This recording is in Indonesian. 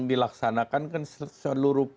dilaksanakan kan seluruh